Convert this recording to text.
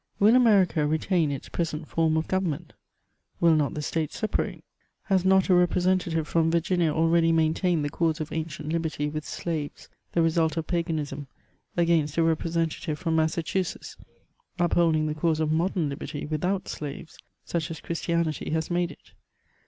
WiLii America retain its present form of government ? Will not the states separate ? Has not a representative from Virginia already maintained the cause of ancient liberty with slaves, the result of paganism, against a representative from Massachusetts, upholding the cause of modern liberty without slaves, such as Christianity has made it?